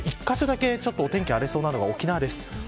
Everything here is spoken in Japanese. １カ所だけ、お天気が崩れそうなのが沖縄です。